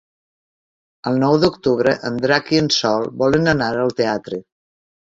El nou d'octubre en Drac i en Sol volen anar al teatre.